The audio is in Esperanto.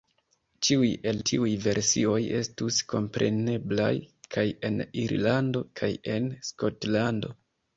Ĉiuj el tiuj versioj estus kompreneblaj kaj en Irlando kaj en Skotlando.